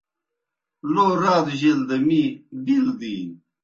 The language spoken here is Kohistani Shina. لو رادوْ جیل دہ می بِیل دِینیْ۔